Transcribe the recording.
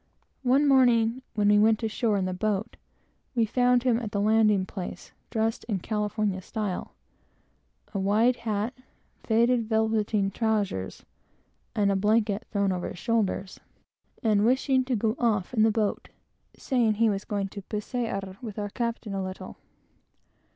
One morning, when we went ashore in the boat, we found him at the landing place, dressed in California style, a wide hat, faded velveteen trowsers, and a blanket cloak thrown over his shoulders and wishing to go off in the boat, saying he was going to paseár with our captain a little.